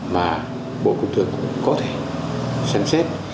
mà bộ công thương cũng có thể sáng xét